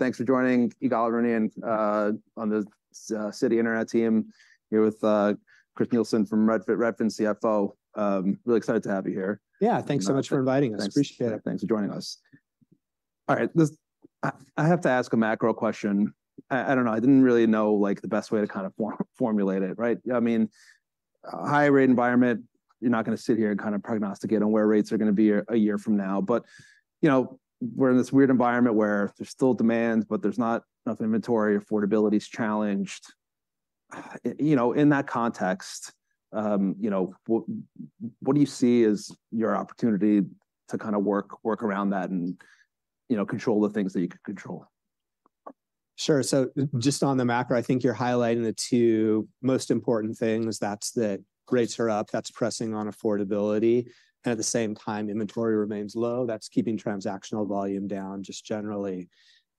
Thanks for joining Ygal Arounian and on the Citi Internet team here with Chris Nielsen from Redfin, Redfin CFO. Really excited to have you here. Yeah, thanks so much for inviting us. Thanks. Appreciate it. Thanks for joining us. All right, let's. I have to ask a macro question. I don't know, I didn't really know, like, the best way to kind of formulate it, right? I mean, high rate environment, you're not gonna sit here and kind of prognosticate on where rates are gonna be a year from now. But, you know, we're in this weird environment where there's still demand, but there's not enough inventory, affordability is challenged. You know, in that context, you know, what do you see is your opportunity to kind of work around that and, you know, control the things that you can control? Sure. So just on the macro, I think you're highlighting the two most important things. That's that rates are up, that's pressing on affordability, and at the same time, inventory remains low. That's keeping transactional volume down, just generally.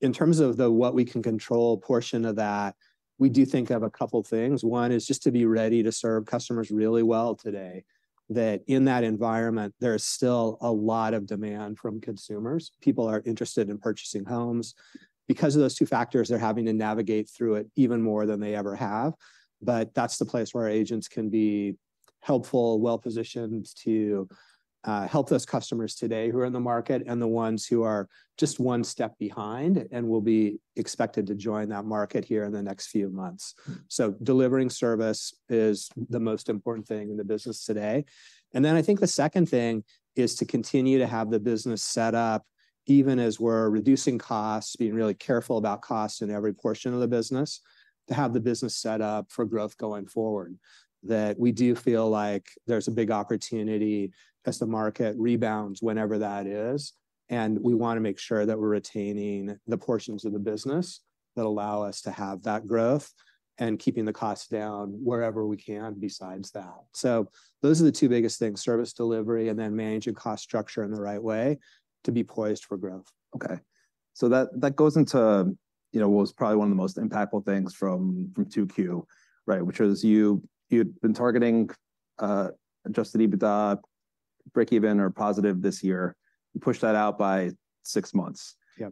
In terms of the what we can control portion of that, we do think of a couple things. One is just to be ready to serve customers really well today. That in that environment, there is still a lot of demand from consumers. People are interested in purchasing homes. Because of those two factors, they're having to navigate through it even more than they ever have. But that's the place where our agents can be helpful, well-positioned to help those customers today who are in the market, and the ones who are just one step behind, and will be expected to join that market here in the next few months. So delivering service is the most important thing in the business today. I think the second thing is to continue to have the business set up, even as we're reducing costs, being really careful about costs in every portion of the business, to have the business set up for growth going forward. That we do feel like there's a big opportunity as the market rebounds, whenever that is, and we wanna make sure that we're retaining the portions of the business that allow us to have that growth, and keeping the costs down wherever we can besides that. So those are the two biggest things: service delivery, and then managing cost structure in the right way to be poised for growth. Okay. So that goes into, you know, what was probably one of the most impactful things from 2Q, right? Which was you, you'd been targeting Adjusted EBITDA break even or positive this year. You pushed that out by 6 months. Yep.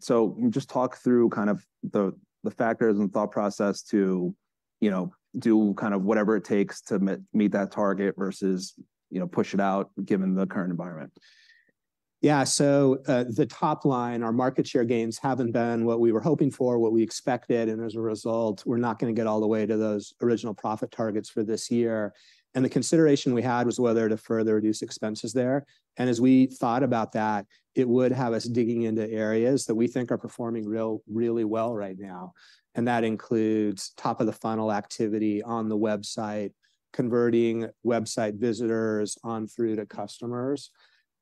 So just talk through kind of the factors and thought process to, you know, do kind of whatever it takes to meet that target versus, you know, push it out, given the current environment. Yeah. So, the top line, our market share gains haven't been what we were hoping for, what we expected, and as a result, we're not gonna get all the way to those original profit targets for this year. The consideration we had was whether to further reduce expenses there. As we thought about that, it would have us digging into areas that we think are performing really well right now. That includes top of the funnel activity on the website, converting website visitors on through to customers,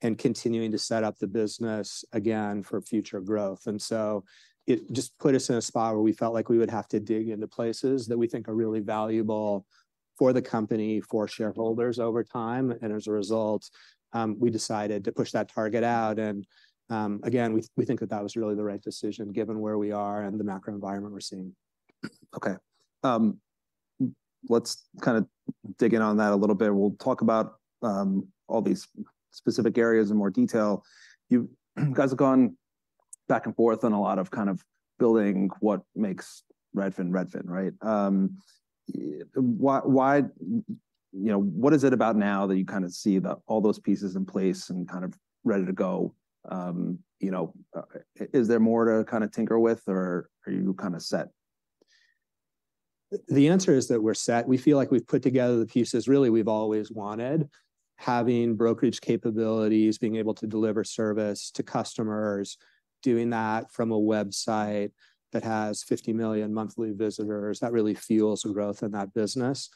and continuing to set up the business again for future growth. So it just put us in a spot where we felt like we would have to dig into places that we think are really valuable for the company, for shareholders over time. As a result, we decided to push that target out. Again, we think that was really the right decision, given where we are and the macro environment we're seeing. Okay. Let's kinda dig in on that a little bit. We'll talk about all these specific areas in more detail. You guys have gone back and forth on a lot of kind of building what makes Redfin, Redfin, right? Why, why... You know, what is it about now that you kind of see the all those pieces in place and kind of ready to go? You know, is there more to kind of tinker with, or are you kind of set? The answer is that we're set. We feel like we've put together the pieces really we've always wanted. Having brokerage capabilities, being able to deliver service to customers, doing that from a website that has 50 million monthly visitors, that really fuels the growth in that business.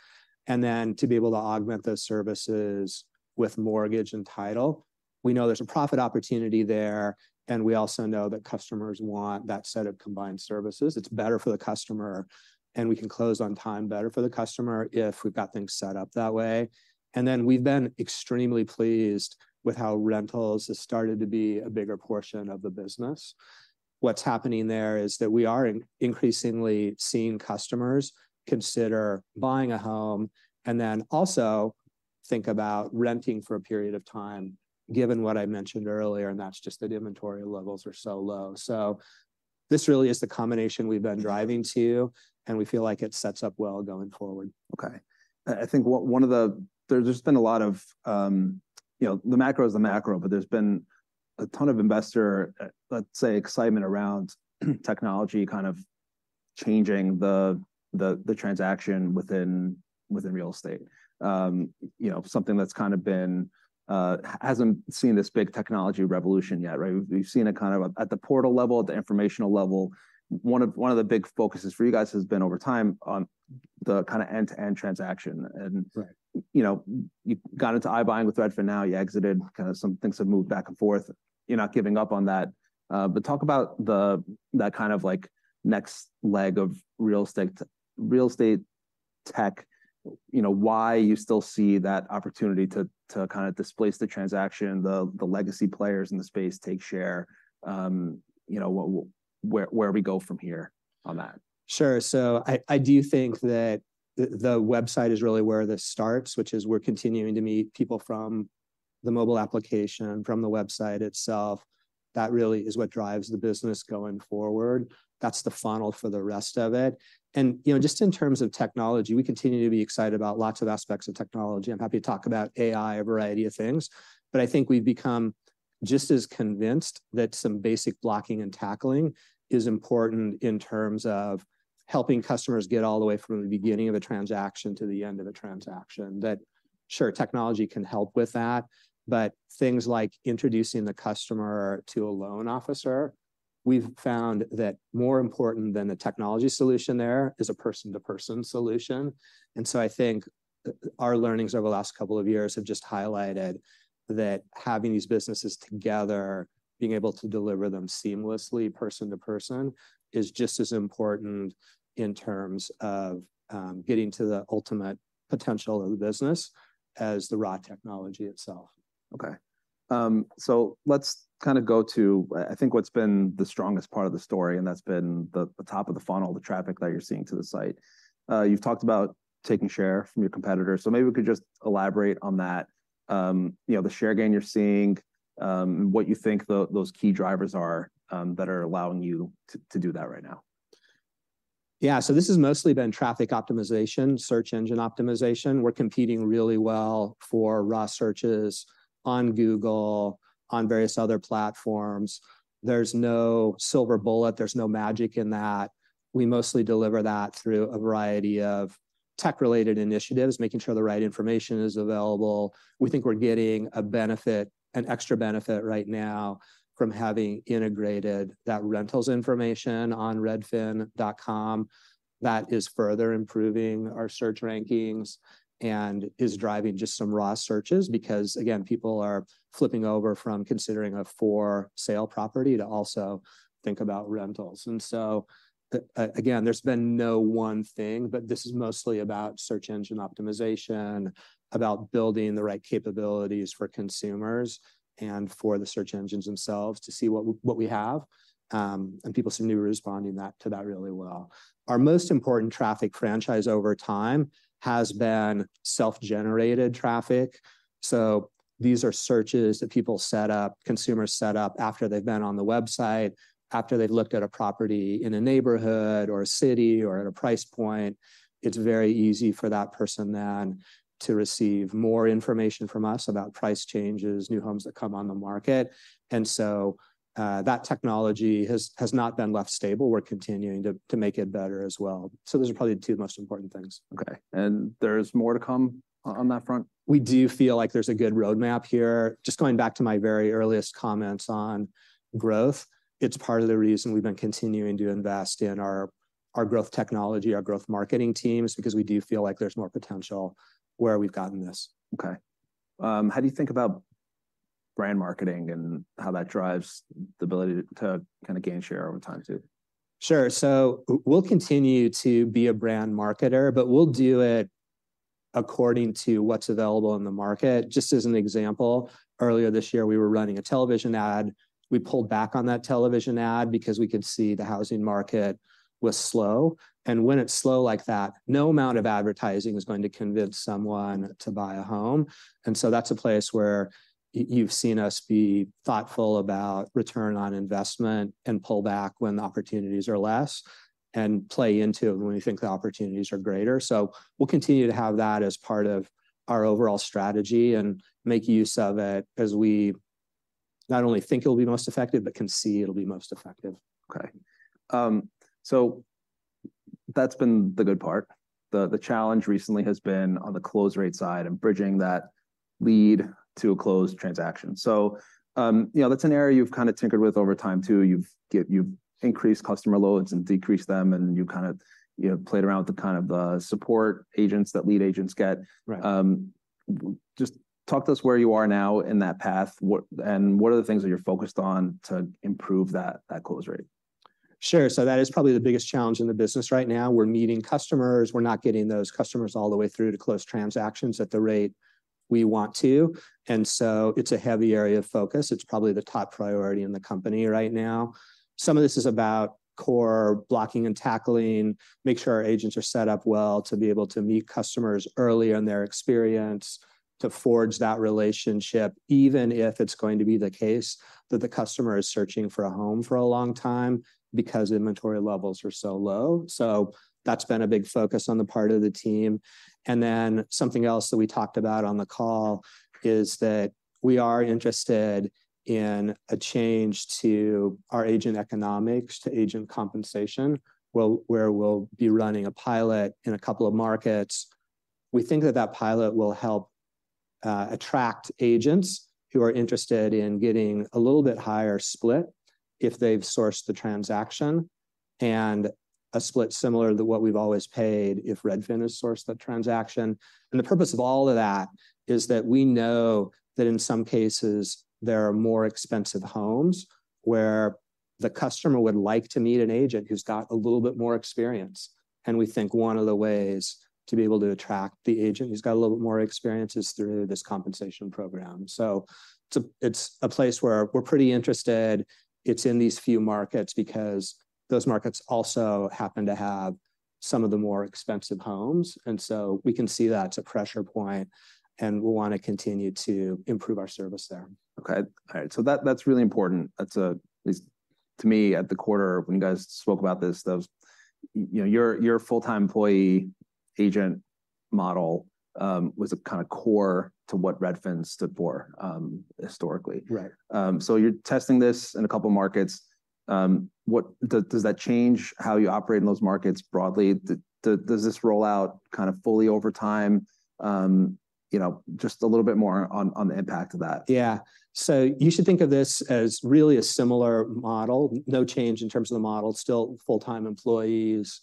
To be able to augment those services with mortgage and title. We know there's a profit opportunity there, and we also know that customers want that set of combined services. It's better for the customer, and we can close on time better for the customer if we've got things set up that way. We've been extremely pleased with how rentals have started to be a bigger portion of the business. What's happening there is that we are increasingly seeing customers consider buying a home, and then also think about renting for a period of time, given what I mentioned earlier, and that's just that inventory levels are so low. So this really is the combination we've been driving to, and we feel like it sets up well going forward. Okay. I think one of the—there's just been a lot of, you know, the macro is the macro, but there's been a ton of investor, let's say, excitement around technology kind of changing the transaction within real estate. You know, something that's kind of been hasn't seen this big technology revolution yet, right? We've seen it kind of at the portal level, at the informational level. One of the big focuses for you guys has been over time on the kind of end-to-end transaction. Right You know, you got into iBuying with Redfin, now you exited, kind of some things have moved back and forth. You're not giving up on that. But talk about the, that kind of like, next leg of real estate, real estate tech. You know, why you still see that opportunity to kind of displace the transaction, the legacy players in the space, take share, you know, where we go from here on that? Sure. So I, I do think that the, the website is really where this starts, which is we're continuing to meet people from the mobile application, from the website itself, that really is what drives the business going forward. That's the funnel for the rest of it. You know, just in terms of technology, we continue to be excited about lots of aspects of technology. I'm happy to talk about AI, a variety of things. But I think we've become just as convinced that some basic blocking and tackling is important in terms of helping customers get all the way from the beginning of a transaction to the end of a transaction. That, sure, technology can help with that, but things like introducing the customer to a loan officer, we've found that more important than the technology solution there, is a person-to-person solution. I think our learnings over the last couple of years have just highlighted that having these businesses together, being able to deliver them seamlessly, person to person, is just as important in terms of getting to the ultimate potential of the business as the raw technology itself. Okay, so let's kind of go to, I think, what's been the strongest part of the story, and that's been the, the Top of the Funnel, the traffic that you're seeing to the site. You've talked about taking share from your competitors, so maybe we could just elaborate on that. You know, the share gain you're seeing, what you think those key drivers are, that are allowing you to, to do that right now. Yeah, so this has mostly been traffic optimization, search engine optimization. We're competing really well for raw searches on Google, on various other platforms. There's no silver bullet, there's no magic in that. We mostly deliver that through a variety of tech-related initiatives, making sure the right information is available. We think we're getting a benefit, an extra benefit right now from having integrated that rentals information on redfin.com. That is further improving our search rankings and is driving just some raw searches. Because, again, people are flipping over from considering a for-sale property to also think about rentals. So, again, there's been no one thing, but this is mostly about search engine optimization, about building the right capabilities for consumers and for the search engines themselves to see what we have. People seem to be responding to that really well. Our most important traffic franchise over time has been self-generated traffic. So these are searches that people set up, consumers set up after they've been on the website, after they've looked at a property in a neighborhood, or a city, or at a price point. It's very easy for that person then to receive more information from us about price changes, new homes that come on the market. So, that technology has not been left stable. We're continuing to make it better as well. So those are probably the two most important things. Okay. There's more to come on that front? We do feel like there's a good roadmap here. Just going back to my very earliest comments on growth, it's part of the reason we've been continuing to invest in our growth technology, our growth marketing teams, because we do feel like there's more potential where we've gotten this. Okay. How do you think about brand marketing and how that drives the ability to kind of gain share over time, too? Sure. So we'll continue to be a brand marketer, but we'll do it according to what's available in the market. Just as an example, earlier this year, we were running a television ad. We pulled back on that television ad because we could see the housing market was slow. When it's slow like that, no amount of advertising is going to convince someone to buy a home. So that's a place where you've seen us be thoughtful about return on investment and pull back when the opportunities are less, and play into it when we think the opportunities are greater. So we'll continue to have that as part of our overall strategy and make use of it as we not only think it'll be most effective, but can see it'll be most effective. Okay. So that's been the good part. The challenge recently has been on the close rate side and bridging that lead to a closed transaction. So, you know, that's an area you've kind of tinkered with over time, too. You've increased customer loads and decreased them, and you kind of, you know, played around with the kind of, support agents that lead agents get. Right. Just talk to us where you are now in that path, and what are the things that you're focused on to improve that close rate? Sure. So that is probably the biggest challenge in the business right now. We're meeting customers, we're not getting those customers all the way through to close transactions at the rate we want to, and so it's a heavy area of focus. It's probably the top priority in the company right now. Some of this is about core blocking and tackling, make sure our agents are set up well to be able to meet customers early in their experience, to forge that relationship, even if it's going to be the case that the customer is searching for a home for a long time because inventory levels are so low. So that's been a big focus on the part of the team. Something else that we talked about on the call is that we are interested in a change to our agent economics, to agent compensation, where we'll be running a pilot in a couple of markets. We think that that pilot will help attract agents who are interested in getting a little bit higher split if they've sourced the transaction, and a split similar to what we've always paid if Redfin has sourced that transaction. The purpose of all of that is that we know that in some cases there are more expensive homes, where the customer would like to meet an agent who's got a little bit more experience. We think one of the ways to be able to attract the agent who's got a little bit more experience is through this compensation program. It's a place where we're pretty interested. It's in these few markets because those markets also happen to have some of the more expensive homes, and so we can see that's a pressure point, and we want to continue to improve our service there. Okay. All right. So that, that's really important. That's, at least to me, at the quarter, when you guys spoke about this, that was, you know, your, your full-time employee agent model, was a kind of core to what Redfin stood for, historically. Right. So you're testing this in a couple of markets. Does that change how you operate in those markets broadly? Does this roll out kind of fully over time? You know, just a little bit more on the impact of that. Yeah. So you should think of this as really a similar model. No change in terms of the model. Still full-time employees,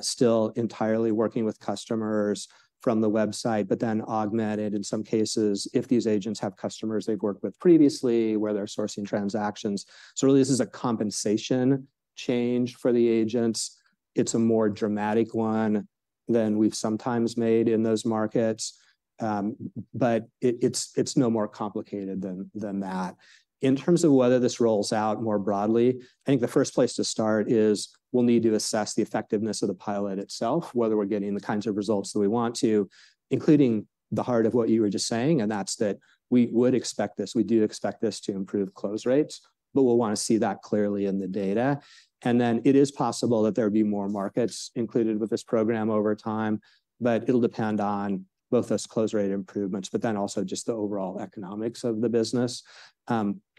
still entirely working with customers from the website, but then augmented in some cases, if these agents have customers they've worked with previously, where they're sourcing transactions. So really, this is a compensation change for the agents. It's a more dramatic one than we've sometimes made in those markets. But it's no more complicated than that. In terms of whether this rolls out more broadly, I think the first place to start is we'll need to assess the effectiveness of the pilot itself, whether we're getting the kinds of results that we want to, including the heart of what you were just saying, and that's that we would expect this. We do expect this to improve close rates, but we'll want to see that clearly in the data. It is possible that there'll be more markets included with this program over time, but it'll depend on both those close rate improvements, but then also just the overall economics of the business.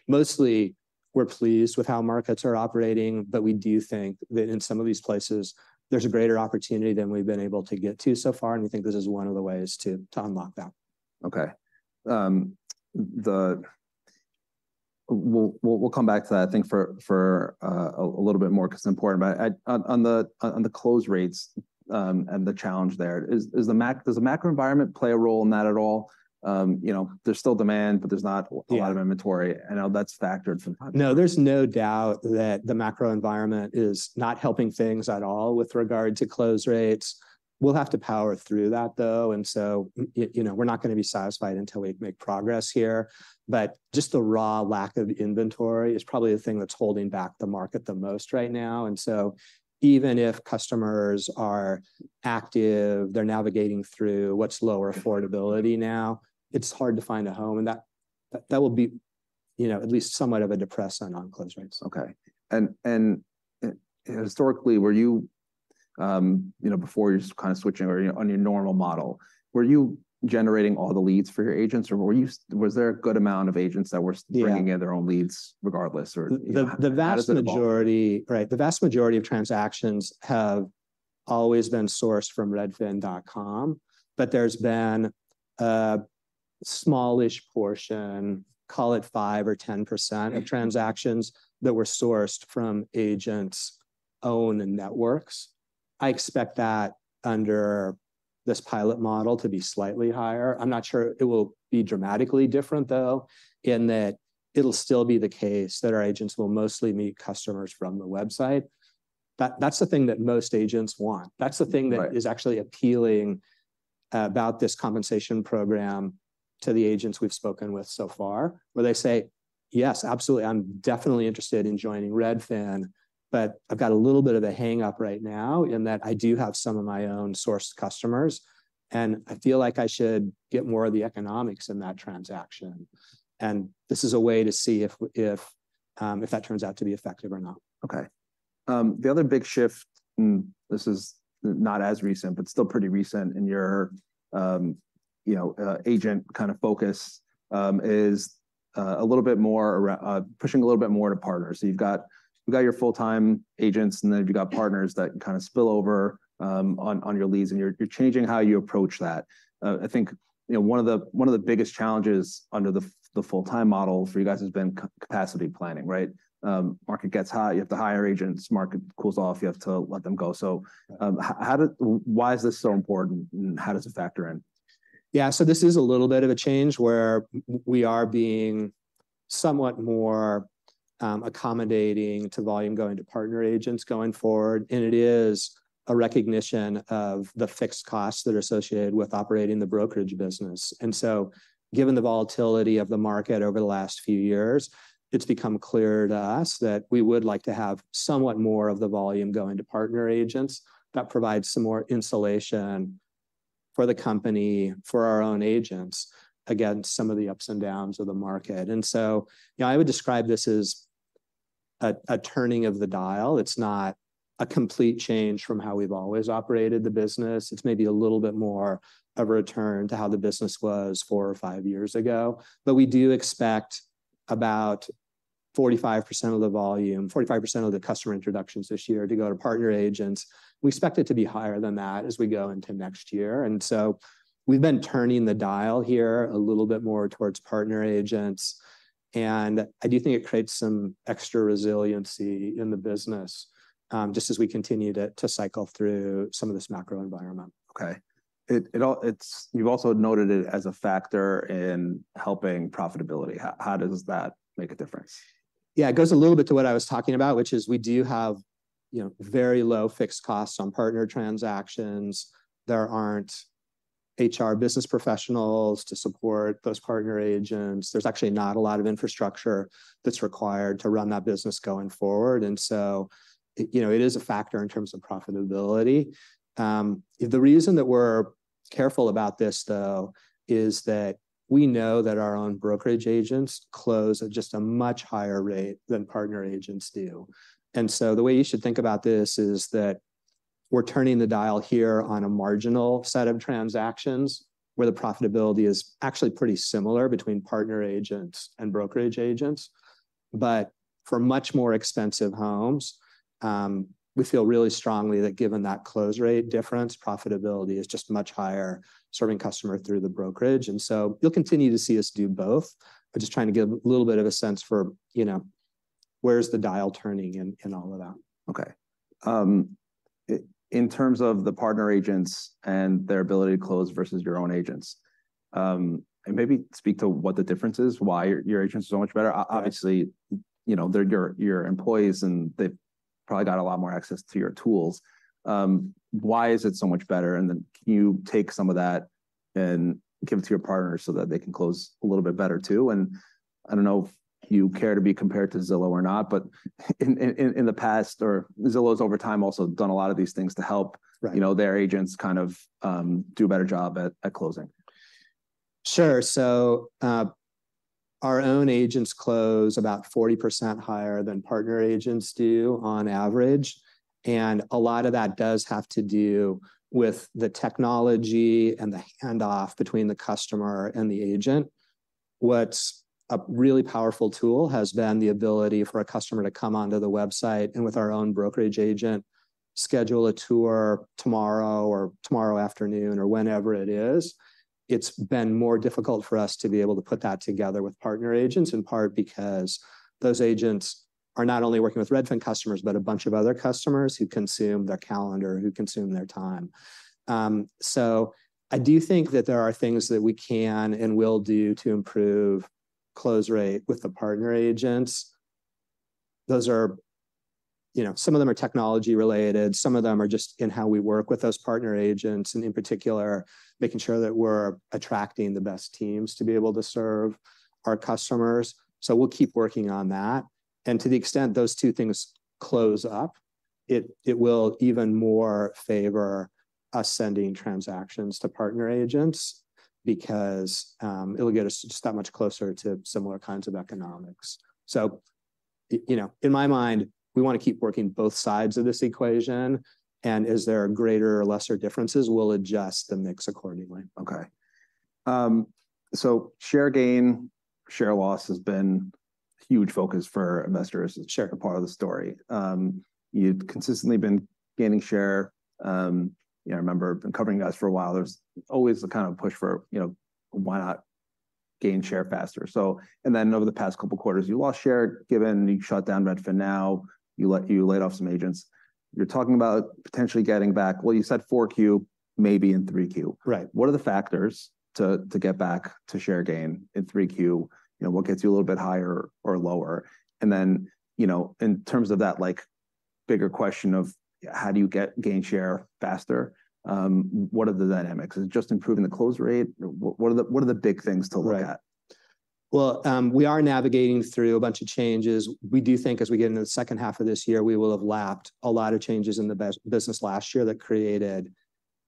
Mostly, we're pleased with how markets are operating, but we do think that in some of these places, there's a greater opportunity than we've been able to get to so far, and we think this is one of the ways to, to unlock that. Okay. We'll come back to that, I think, for a little bit more because it's important. But on the close rates and the challenge there, does the macro environment play a role in that at all? You know, there's still demand, but there's not- Yeah... a lot of inventory. I know that's factored sometimes. No, there's no doubt that the macro environment is not helping things at all with regard to close rates. We'll have to power through that, though, and so, you know, we're not going to be satisfied until we make progress here. But just the raw lack of inventory is probably the thing that's holding back the market the most right now. So even if customers are active, they're navigating through what's lower affordability now, it's hard to find a home, and that will be, you know, at least somewhat of a depressant on close rates. Okay. Historically, were you, you know, before you just kind of switching or, you know, on your normal model, were you generating all the leads for your agents, or were you- was there a good amount of agents that were- Yeah... bringing in their own leads, regardless, or? The vast majority- How does it involve? Right. The vast majority of transactions have always been sourced from redfin.com, but there's been a smallish portion, call it 5% or 10% of transactions that were sourced from agents' own networks. I expect that under this pilot model to be slightly higher. I'm not sure it will be dramatically different, though, in that it'll still be the case that our agents will mostly meet customers from the website. That, that's the thing that most agents want. Right. That's the thing that is actually appealing about this compensation program to the agents we've spoken with so far, where they say: "Yes, absolutely. I'm definitely interested in joining Redfin, but I've got a little bit of a hang-up right now, in that I do have some of my own sourced customers, and I feel like I should get more of the economics in that transaction." This is a way to see if that turns out to be effective or not. Okay. The other big shift, this is not as recent, but still pretty recent in your, you know, agent kind of focus, is a little bit more around pushing a little bit more to partners. So you've got your full-time agents, and then you've got partners that kind of spill over on your leads, and you're changing how you approach that. I think, you know, one of the biggest challenges under the full-time model for you guys has been capacity planning, right? Market gets high, you have to hire agents. Market cools off, you have to let them go. Yeah. So, why is this so important, and how does it factor in? Yeah, so this is a little bit of a change where we are being somewhat more accommodating to volume going to partner agents going forward, and it is a recognition of the fixed costs that are associated with operating the brokerage business. So, given the volatility of the market over the last few years, it's become clear to us that we would like to have somewhat more of the volume going to partner agents. That provides some more insulation for the company, for our own agents, against some of the ups and downs of the market. So, you know, I would describe this as a turning of the dial. It's not a complete change from how we've always operated the business. It's maybe a little bit more of a return to how the business was four or five years ago. But we do expect about 45% of the volume, 45% of the customer introductions this year to go to partner agents. We expect it to be higher than that as we go into next year. So we've been turning the dial here a little bit more towards partner agents, and I do think it creates some extra resiliency in the business, just as we continue to cycle through some of this macro environment. Okay. You've also noted it as a factor in helping profitability. How does that make a difference? Yeah, it goes a little bit to what I was talking about, which is we do have, you know, very low fixed costs on partner transactions. There aren't HR business professionals to support those partner agents. There's actually not a lot of infrastructure that's required to run that business going forward, and so, it, you know, it is a factor in terms of profitability. The reason that we're careful about this, though, is that we know that our own brokerage agents close at just a much higher rate than partner agents do. So the way you should think about this is that we're turning the dial here on a marginal set of transactions, where the profitability is actually pretty similar between partner agents and brokerage agents. But for much more expensive homes, we feel really strongly that given that close rate difference, profitability is just much higher serving customer through the brokerage. So you'll continue to see us do both, but just trying to give a little bit of a sense for, you know, where's the dial turning and all of that. Okay. In terms of the partner agents and their ability to close versus your own agents, and maybe speak to what the difference is, why your agents are so much better. Obviously, you know, they're your, your employees, and they've probably got a lot more access to your tools. Why is it so much better? Can you take some of that and give it to your partners so that they can close a little bit better, too? I don't know if you care to be compared to Zillow or not, but in the past or Zillow's over time also done a lot of these things to help- Right... you know, their agents kind of do a better job at closing. Sure. So, our own agents close about 40% higher than partner agents do on average, and a lot of that does have to do with the technology and the handoff between the customer and the agent. What's a really powerful tool has been the ability for a customer to come onto the website, and with our own brokerage agent, schedule a tour tomorrow or tomorrow afternoon, or whenever it is. It's been more difficult for us to be able to put that together with partner agents, in part because those agents are not only working with Redfin customers, but a bunch of other customers who consume their calendar, who consume their time. So I do think that there are things that we can and will do to improve close rate with the partner agents. Those are... You know, some of them are technology related, some of them are just in how we work with those partner agents, and in particular, making sure that we're attracting the best teams to be able to serve our customers. So we'll keep working on that. To the extent those two things close up, it will even more favor us sending transactions to partner agents because it'll get us just that much closer to similar kinds of economics. So, you know, in my mind, we want to keep working both sides of this equation. Is there a greater or lesser differences? We'll adjust the mix accordingly. Okay. So share gain, share loss has been a huge focus for investors, share part of the story. You've consistently been gaining share. Yeah, I remember been covering you guys for a while. There's always a kind of push for, you know, why not gain share faster? So and then over the past couple of quarters, you lost share, given you shut down RedfinNow, you laid off some agents. You're talking about potentially getting back. Well, you said 4Q, maybe in 3Q. Right. What are the factors to get back to share gain in 3Q? You know, what gets you a little bit higher or lower? You know, in terms of that, like, bigger question of how do you get gain share faster, what are the dynamics? Is it just improving the close rate? What are the big things to look at? Right. Well, we are navigating through a bunch of changes. We do think as we get into the second half of this year, we will have lapped a lot of changes in the business last year that created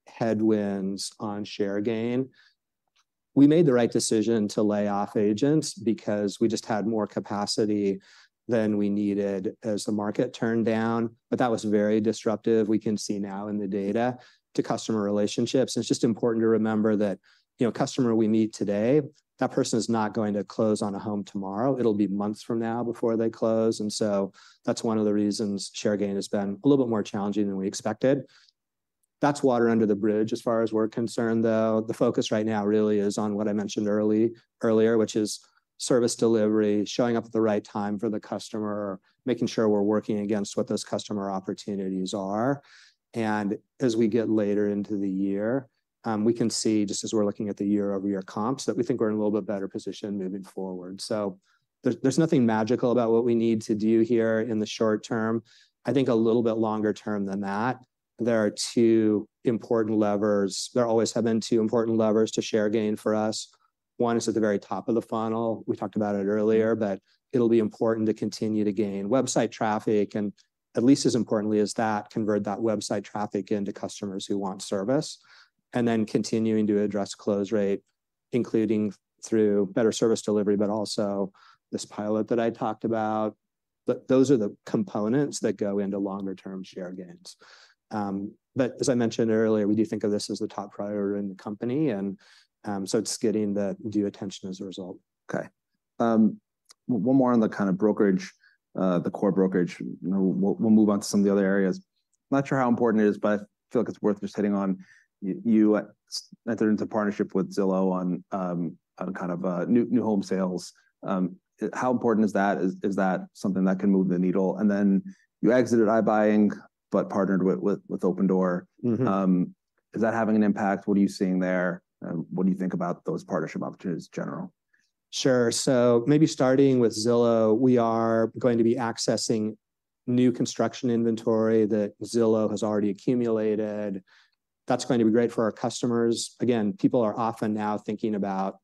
headwinds on share gain. We made the right decision to lay off agents because we just had more capacity than we needed as the market turned down, but that was very disruptive. We can see now in the data to customer relationships. It's just important to remember that, you know, a customer we meet today, that person is not going to close on a home tomorrow. It'll be months from now before they close, and so that's one of the reasons share gain has been a little bit more challenging than we expected. That's water under the bridge as far as we're concerned, though. The focus right now really is on what I mentioned early, earlier, which is service delivery, showing up at the right time for the customer, making sure we're working against what those customer opportunities are. As we get later into the year, we can see, just as we're looking at the year-over-year comps, that we think we're in a little bit better position moving forward. There's nothing magical about what we need to do here in the short term. I think a little bit longer term than that, there are two important levers. There always have been two important levers to share gain for us. One is at the very top of the funnel. We talked about it earlier, but it'll be important to continue to gain website traffic, and at least as importantly as that, convert that website traffic into customers who want service. Continuing to address close rate, including through better service delivery, but also this pilot that I talked about. But those are the components that go into longer term share gains. But as I mentioned earlier, we do think of this as the top priority in the company, and, so it's getting the due attention as a result. Okay. One more on the kind of brokerage, the core brokerage. You know, we'll, we'll move on to some of the other areas. I'm not sure how important it is, but I feel like it's worth just hitting on. You entered into partnership with Zillow on kind of new home sales. How important is that? Is that something that can move the needle? You exited iBuying, but partnered with Opendoor. Mm-hmm. Is that having an impact? What are you seeing there, and what do you think about those partnership opportunities in general?... Sure. So maybe starting with Zillow, we are going to be accessing new construction inventory that Zillow has already accumulated. That's going to be great for our customers. Again, people are often now thinking about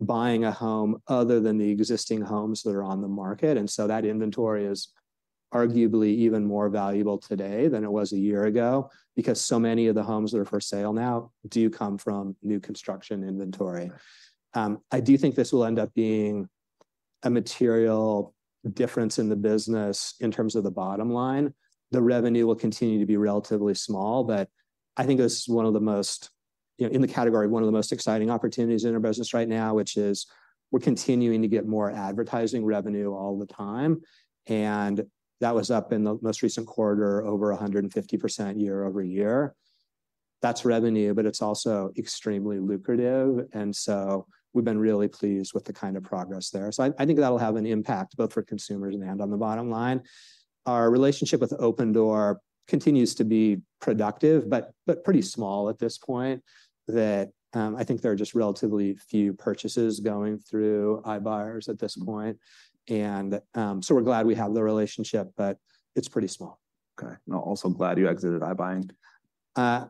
buying a home other than the existing homes that are on the market, and so that inventory is arguably even more valuable today than it was a year ago, because so many of the homes that are for sale now do come from new construction inventory. I do think this will end up being a material difference in the business in terms of the bottom line. The revenue will continue to be relatively small, but I think this is one of the most, you know, in the category, one of the most exciting opportunities in our business right now, which is we're continuing to get more advertising revenue all the time, and that was up in the most recent quarter, over 150% year-over-year. That's revenue, but it's also extremely lucrative, and so we've been really pleased with the kind of progress there. So I, I think that'll have an impact both for consumers and on the bottom line. Our relationship with Opendoor continues to be productive, but pretty small at this point. I think there are just relatively few purchases going through iBuyers at this point. So we're glad we have the relationship, but it's pretty small. Okay. Also, glad you exited iBuying?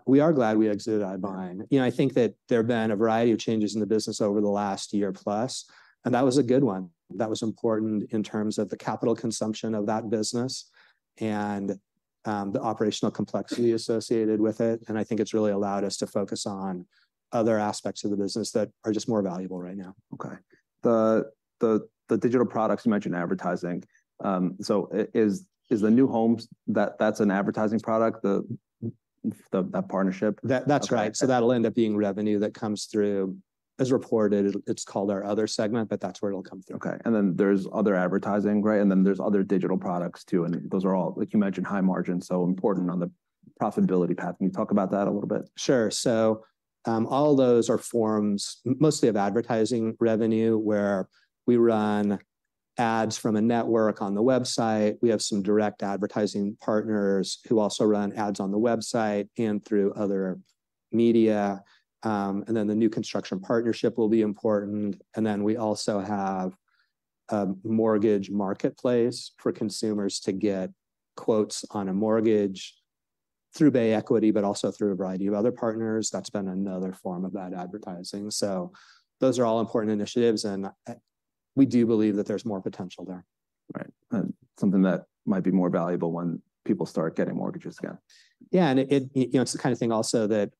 We are glad we exited iBuying. You know, I think that there have been a variety of changes in the business over the last year plus, and that was a good one. That was important in terms of the capital consumption of that business and, the operational complexity associated with it, and I think it's really allowed us to focus on other aspects of the business that are just more valuable right now. Okay. The digital products, you mentioned advertising. So is the new homes, that, that's an advertising product, that partnership? That's right. Okay. So that'll end up being revenue that comes through. As reported, it's called our other segment, but that's where it'll come through. Okay. There's other advertising, right? There's other digital products, too, and those are all, like you mentioned, high margin, so important on the profitability path. Can you talk about that a little bit? Sure. So, all those are forms mostly of advertising revenue, where we run ads from a network on the website. We have some direct advertising partners who also run ads on the website and through other media. The new construction partnership will be important. We also have a mortgage marketplace for consumers to get quotes on a mortgage through Bay Equity, but also through a variety of other partners. That's been another form of that advertising. So those are all important initiatives, and, we do believe that there's more potential there. Right. Something that might be more valuable when people start getting mortgages again. Yeah, and you know, it's the kind of thing also that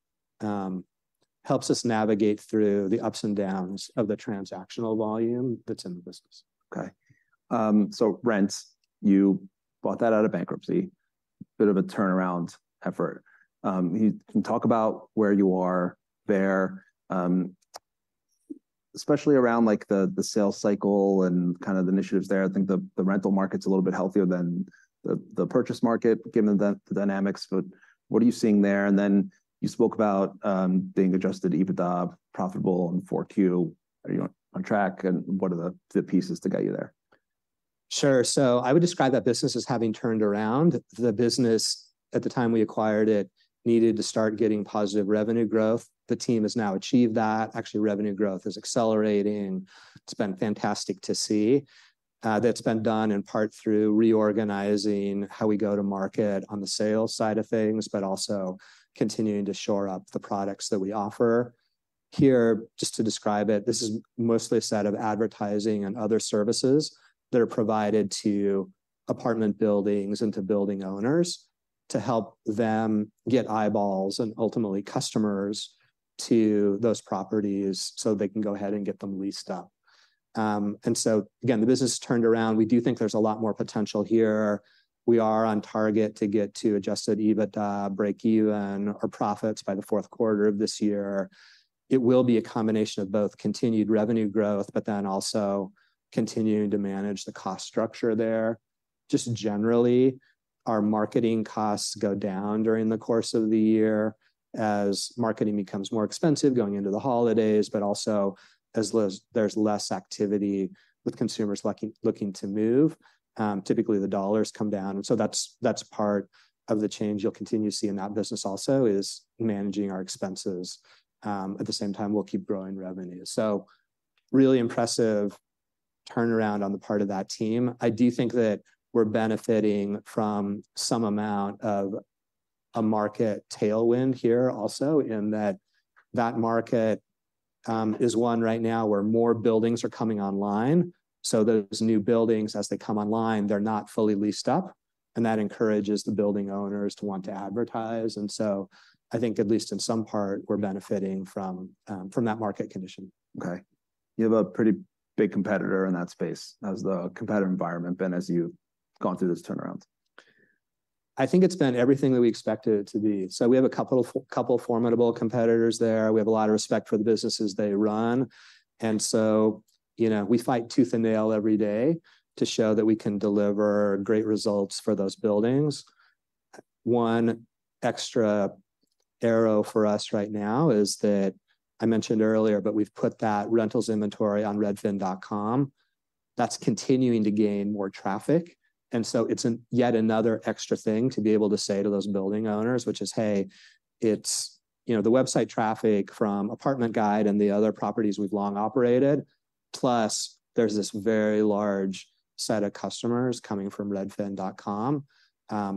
helps us navigate through the ups and downs of the transactional volume that's in the business. Okay. So rents, you bought that out of bankruptcy. Bit of a turnaround effort. Can you talk about where you are there, especially around, like, the, the sales cycle and kind of the initiatives there? I think the, the rental market's a little bit healthier than the, the purchase market, given the, the dynamics, but what are you seeing there? You spoke about, being Adjusted EBITDA profitable in 4Q. Are you on, on track, and what are the, the pieces to get you there? Sure. So I would describe that business as having turned around. The business, at the time we acquired it, needed to start getting positive revenue growth. The team has now achieved that. Actually, revenue growth is accelerating. It's been fantastic to see. That's been done in part through reorganizing how we go to market on the sales side of things, but also continuing to shore up the products that we offer. Here, just to describe it, this is mostly a set of advertising and other services that are provided to apartment buildings and to building owners to help them get eyeballs and ultimately customers to those properties, so they can go ahead and get them leased up. So, again, the business turned around. We do think there's a lot more potential here. We are on target to get to Adjusted EBITDA break even, or profits by the fourth quarter of this year. It will be a combination of both continued revenue growth, but then also continuing to manage the cost structure there. Just generally, our marketing costs go down during the course of the year as marketing becomes more expensive going into the holidays, but also as there's less activity with consumers looking to move, typically the dollars come down. So that's, that's part of the change you'll continue to see in that business also, is managing our expenses. At the same time, we'll keep growing revenue. So really impressive turnaround on the part of that team. I do think that we're benefiting from some amount of a market tailwind here also, in that that market is one right now where more buildings are coming online. So those new buildings, as they come online, they're not fully leased up, and that encourages the building owners to want to advertise, and so I think at least in some part, we're benefiting from, from that market condition. Okay. You have a pretty big competitor in that space. How's the competitive environment been as you've gone through this turnaround? I think it's been everything that we expected it to be. So we have a couple of, couple formidable competitors there. We have a lot of respect for the businesses they run, and so, you know, we fight tooth and nail every day to show that we can deliver great results for those buildings. One extra arrow for us right now is that I mentioned earlier, but we've put that rentals inventory on redfin.com.... That's continuing to gain more traffic, and so it's an, yet another extra thing to be able to say to those building owners, which is, "Hey, it's, you know, the website traffic from Apartment Guide and the other properties we've long operated, plus there's this very large set of customers coming from redfin.com.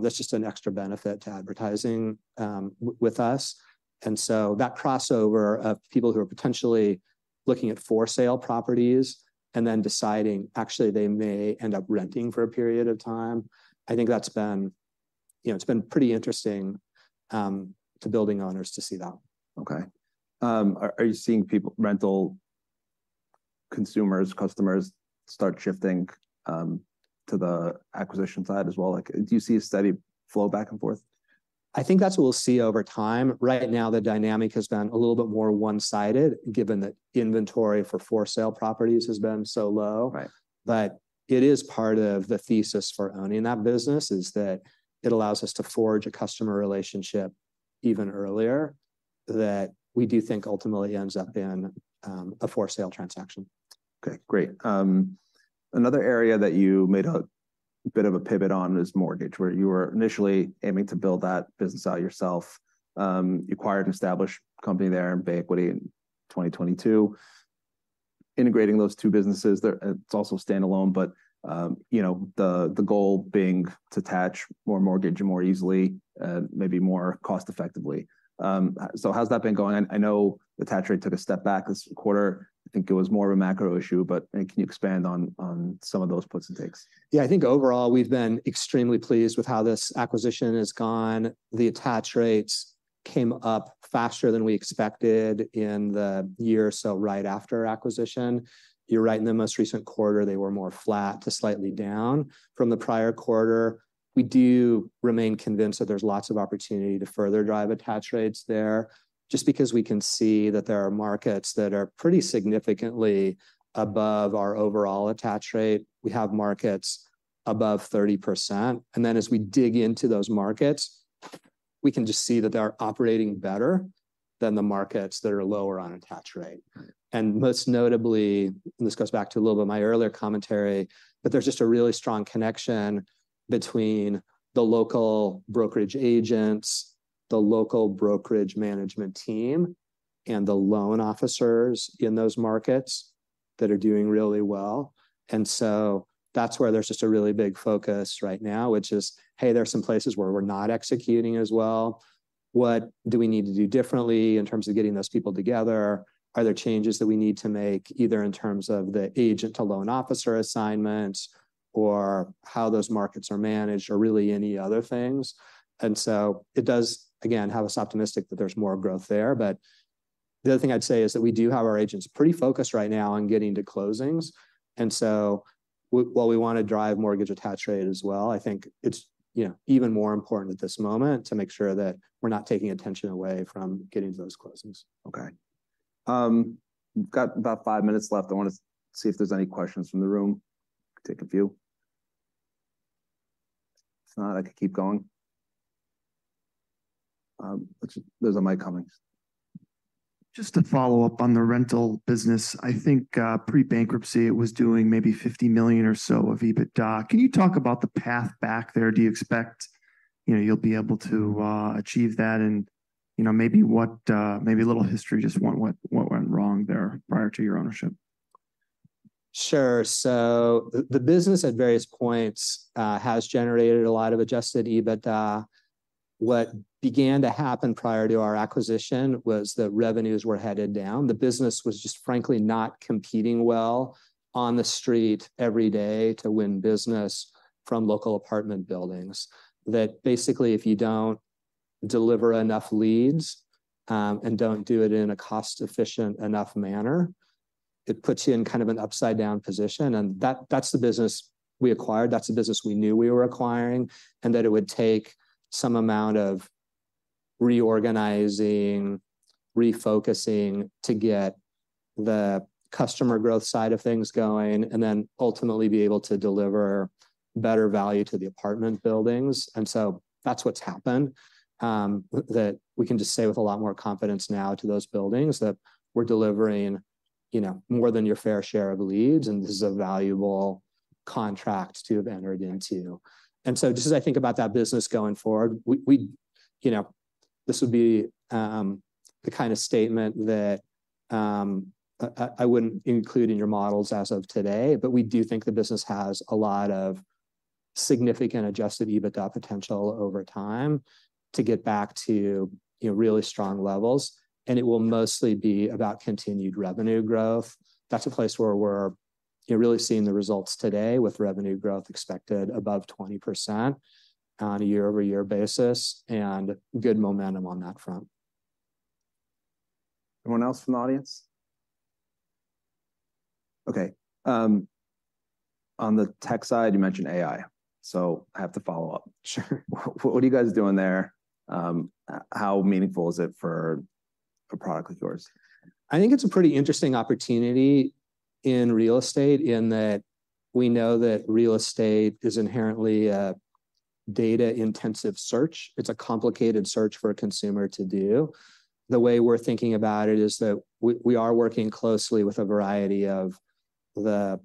That's just an extra benefit to advertising with us." So that crossover of people who are potentially looking at for-sale properties and then deciding, actually, they may end up renting for a period of time, I think that's been, you know, it's been pretty interesting to building owners to see that. Okay. Are you seeing people, rental consumers, customers start shifting to the acquisition side as well? Like, do you see a steady flow back and forth? I think that's what we'll see over time. Right now, the dynamic has been a little bit more one-sided, given that inventory for for-sale properties has been so low. Right. It is part of the thesis for owning that business, is that it allows us to forge a customer relationship even earlier, that we do think ultimately ends up in a for-sale transaction. Okay, great. Another area that you made a bit of a pivot on is mortgage, where you were initially aiming to build that business out yourself. You acquired an established company there, Bay Equity, in 2022. Integrating those two businesses, it's also standalone, but, you know, the goal being to attach more mortgage more easily, maybe more cost-effectively. So how's that been going? I know the attach rate took a step back this quarter. I think it was more of a macro issue, but, can you expand on some of those puts and takes? Yeah, I think overall, we've been extremely pleased with how this acquisition has gone. The attach rates came up faster than we expected in the year or so right after acquisition. You're right, in the most recent quarter they were more flat to slightly down from the prior quarter. We do remain convinced that there's lots of opportunity to further drive attach rates there, just because we can see that there are markets that are pretty significantly above our overall attach rate. We have markets above 30%, and then as we dig into those markets, we can just see that they are operating better than the markets that are lower on attach rate. Right. Most notably, and this goes back to a little bit of my earlier commentary, but there's just a really strong connection between the local brokerage agents, the local brokerage management team, and the loan officers in those markets that are doing really well. So that's where there's just a really big focus right now, which is, hey, there are some places where we're not executing as well. What do we need to do differently in terms of getting those people together? Are there changes that we need to make, either in terms of the agent to loan officer assignments, or how those markets are managed, or really any other things? So it does, again, have us optimistic that there's more growth there. But the other thing I'd say is that we do have our agents pretty focused right now on getting to closings, and so while we want to drive mortgage attach rate as well, I think it's, you know, even more important at this moment to make sure that we're not taking attention away from getting to those closings. Okay. We've got about five minutes left. I want to see if there's any questions from the room. Take a few. If not, I can keep going. Those are mic comings. Just to follow up on the rental business, I think, pre-bankruptcy, it was doing maybe $50 million or so of EBITDA. Can you talk about the path back there? Do you expect, you know, you'll be able to achieve that and, you know, maybe what... Maybe a little history, just what, what went wrong there prior to your ownership? Sure. So the, the business at various points has generated a lot of Adjusted EBITDA. What began to happen prior to our acquisition was that revenues were headed down. The business was just, frankly, not competing well on the street every day to win business from local apartment buildings. That basically, if you don't deliver enough leads and don't do it in a cost-efficient enough manner, it puts you in kind of an upside-down position. That's the business we acquired, that's the business we knew we were acquiring, and that it would take some amount of reorganizing, refocusing to get the customer growth side of things going, and then ultimately be able to deliver better value to the apartment buildings. So that's what's happened, that we can just say with a lot more confidence now to those buildings that we're delivering, you know, more than your fair share of leads, and this is a valuable contract to have entered into. So just as I think about that business going forward, you know, this would be the kind of statement that I wouldn't include in your models as of today, but we do think the business has a lot of significant Adjusted EBITDA potential over time to get back to, you know, really strong levels, and it will mostly be about continued revenue growth. That's a place where we're, you know, really seeing the results today, with revenue growth expected above 20% on a year-over-year basis, and good momentum on that front. Anyone else from the audience? Okay, on the tech side, you mentioned AI, so I have to follow up. Sure. What are you guys doing there? How meaningful is it for a product like yours? I think it's a pretty interesting opportunity in real estate, in that we know that real estate is inherently a data-intensive search. It's a complicated search for a consumer to do. The way we're thinking about it is that we are working closely with a variety of the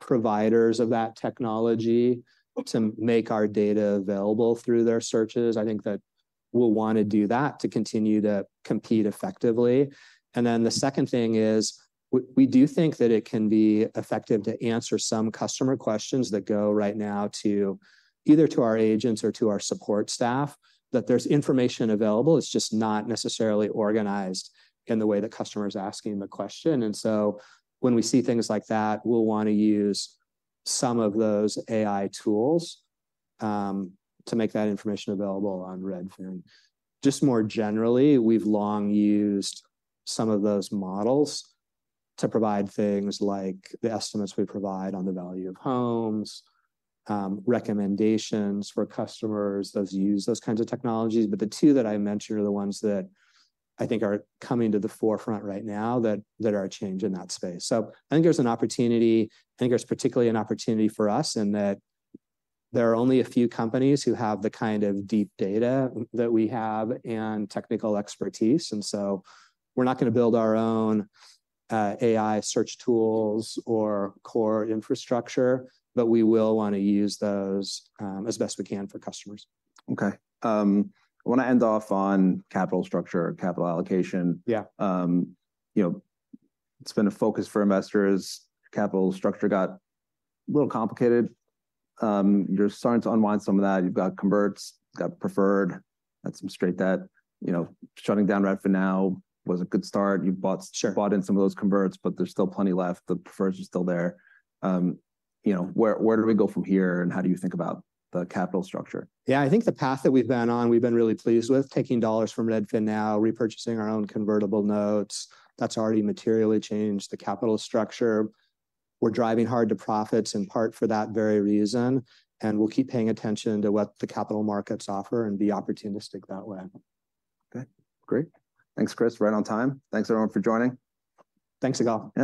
providers of that technology to make our data available through their searches. I think that we'll want to do that to continue to compete effectively. The second thing is, we do think that it can be effective to answer some customer questions that go right now to either our agents or to our support staff, that there's information available, it's just not necessarily organized in the way the customer is asking the question. So when we see things like that, we'll want to use some of those AI tools to make that information available on Redfin. Just more generally, we've long used some of those models to provide things like the estimates we provide on the value of homes, recommendations for customers, those use those kinds of technologies. But the two that I mentioned are the ones that I think are coming to the forefront right now, that are a change in that space. So I think there's an opportunity. I think there's particularly an opportunity for us, in that there are only a few companies who have the kind of deep data that we have and technical expertise, and so we're not gonna build our own AI search tools or core infrastructure, but we will want to use those as best we can for customers. Okay. I want to end off on capital structure, capital allocation. Yeah. You know, it's been a focus for investors. Capital structure got a little complicated. You're starting to unwind some of that. You've got converts, you've got preferred, had some straight debt. You know, shutting down RedfinNow was a good start. You've bought in some of those converts, but there's still plenty left. The prefers are still there. You know, where, where do we go from here, and how do you think about the capital structure? Yeah, I think the path that we've been on, we've been really pleased with, taking dollars from RedfinNow, repurchasing our own convertible notes. That's already materially changed the capital structure. We're driving hard to profits in part for that very reason, and we'll keep paying attention to what the capital markets offer and be opportunistic that way. Okay, great. Thanks, Chris. Right on time. Thanks, everyone, for joining. Thanks again.